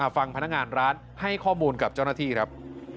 ฟังพนักงานร้านให้ข้อมูลกับเจ้าหน้าที่ครับ